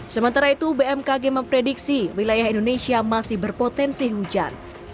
sementara itu bmkg memprediksi wilayah indonesia masih berpotensi hujan